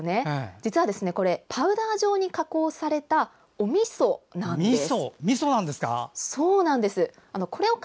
実はこれパウダー状に加工されたおみそなんです。